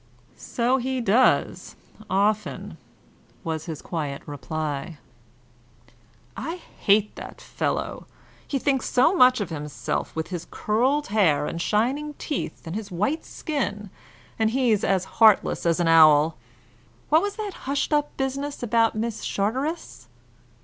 "So he does, often," was his quiet reply. "I hate the fellow! He thinks so much of himself, with his curled hair and shining teeth, and his white skin; and he's as heartless as an owl. What was that hushed up business about Miss Charteris?"